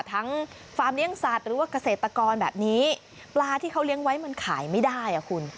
ฟาร์มเลี้ยงสัตว์หรือว่าเกษตรกรแบบนี้ปลาที่เขาเลี้ยงไว้มันขายไม่ได้อ่ะคุณ